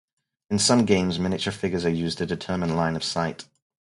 In some games, miniature figures are used to determine line of sight.